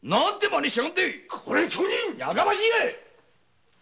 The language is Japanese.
これ町人！やかましい！！